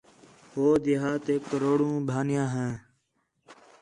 ہو دیہاتیک کروڑوں ٻانھیاں ہیاں